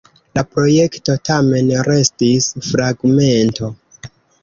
La projekto tamen restis fragmento.